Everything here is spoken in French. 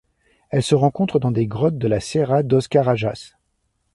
Elle se rencontre dans des grottes de la Serra dos Carajás.